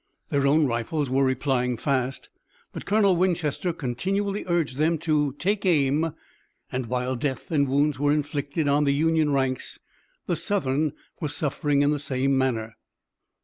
Their own rifles were replying fast, but Colonel Winchester continually urged them to take aim, and, while death and wounds were inflicted on the Union ranks, the Southern were suffering in the same manner.